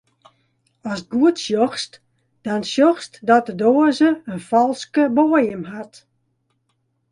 Ast goed sjochst, dan sjochst dat de doaze in falske boaiem hat.